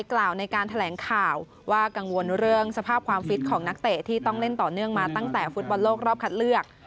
กล่าวในการแถลงข่าวว่ากังวลเรื่องสภาพความฟิตของนักเตะที่ต้องเล่นต่อเนื่องมาตั้งแต่ฟุตบอลโลกรอบคัดเลือก